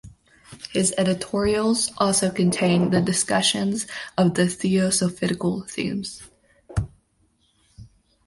His editorials also contained the discussions of the theosophical themes.